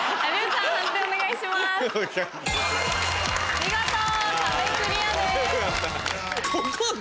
見事壁クリアです。